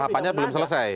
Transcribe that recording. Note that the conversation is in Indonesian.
tahapannya belum selesai